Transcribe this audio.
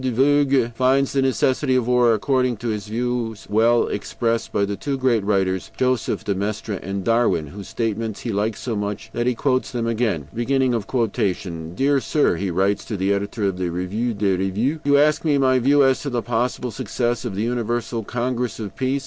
de Vogüé finds the necessity for war, according to his views, well expressed by the two great writers, Joseph de Maistre and Darwin, whose statements he likes so much that he quotes them again. "Dear Sir [he writes to the editor of the REVUE DES REVUES]: You ask me my view as to the possible success of the Universal Congress of Peace.